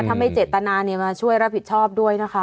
ถ้าไม่เจตนามาช่วยรับผิดชอบด้วยนะคะ